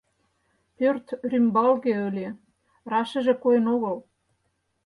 Пӧрт рӱмбалге ыле, рашыже койын огыл.